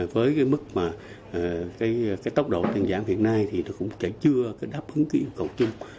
với cái mức mà cái tốc độ tinh dạng hiện nay thì nó cũng chả chưa đáp ứng cái yêu cầu chung